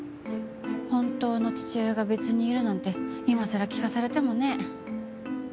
本当の父親が別にいるなんて今さら聞かされてもね。